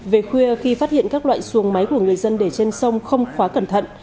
về khuya khi phát hiện các loại xuồng máy của người dân để trên sông không khóa cẩn thận